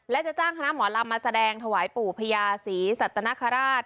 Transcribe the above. และจะจ้างคณะหมอลำมาแสดงถวายปู่พญาศรีสัตนคราช